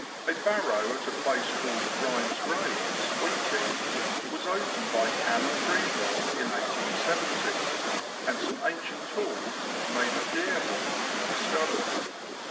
A barrow at a place called " Grimes' Graves," Weeting, was opened by Canon Greenwell in 1870, and some ancient tools, made of deerhorn, discovered.